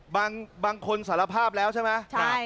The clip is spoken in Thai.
บางคนสารภาพแล้วใช่ไหม